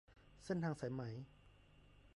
เส้นทางสายไหม